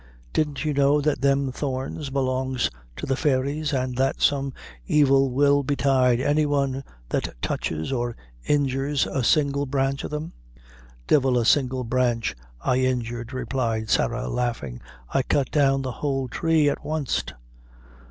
"Didn't you know that them thorns belongs to the fairies, and that some evil will betide any one that touches or injures a single branch o' them." "Divil a single branch I injured," replied Sarah, laughing; "I cut down the whole tree at wanst."